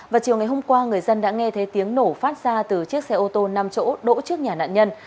và chiều ngày hôm qua người dân đã nghe thấy tiếng nổ phát ra từ chiếc xe ô tô năm chỗ đỗ trước nhà nạn nhân